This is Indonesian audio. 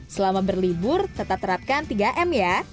selama berlibur tetap terapkan tiga m ya